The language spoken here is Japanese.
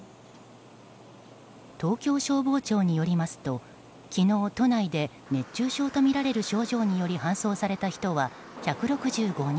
東京消防庁によりますと昨日、都内で熱中症とみられる症状により搬送された人は１６５人。